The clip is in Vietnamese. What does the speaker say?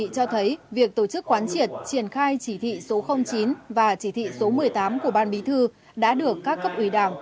cho thấy việc tổ chức quán triệt triển khai chỉ thị số chín và chỉ thị số một mươi tám của ban bí thư đã được các cấp ủy đảng